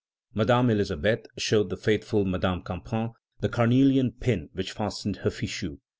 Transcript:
Madame Elisabeth showed the faithful Madame Campan the carnelian pin which fastened her fichu.